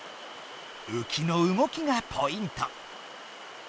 うきのうごきがポイント。